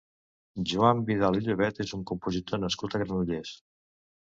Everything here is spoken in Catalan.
Joan Vidal i Llobet és un compositor nascut a Granollers.